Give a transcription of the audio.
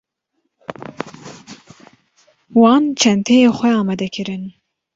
Wan çenteyê xwe amade kirin.